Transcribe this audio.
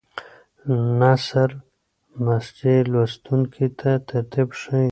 نثر مسجع لوستونکي ته ترتیب ښیي.